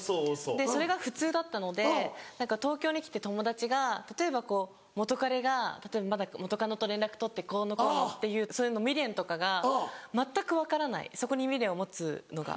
それが普通だったので東京に来て友達が例えば元カレがまだ元カノと連絡取ってこうのこうのっていうそういう未練とかが全く分からないそこに未練を持つのが。